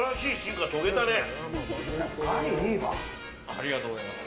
ありがとうございます。